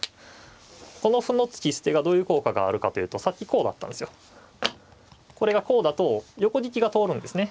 この歩の突き捨てがどういう効果があるかというとさっきこうだったんですよ。これがこうだと横利きが通るんですね。